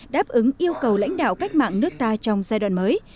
đáp ứng yêu cầu lãnh đạo cách mạng nước ta trong giai đoạn mới